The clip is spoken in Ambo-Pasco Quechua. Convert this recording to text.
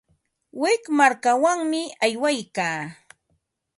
Wik markamanmi aywaykaa.